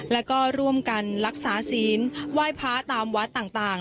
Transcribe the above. แล้วก็ร่วมกันรักษาศีลไหว้พระตามวัดต่าง